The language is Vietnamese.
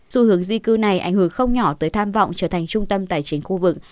xu hướng di cư này ảnh hưởng không nhỏ tới tham vọng trở thành trung tâm tài chính khu vực